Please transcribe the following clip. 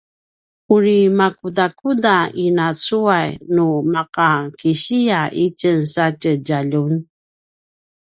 uri makudakuda ina cuay nu ma’a kisiya itjen sa tje djaljun?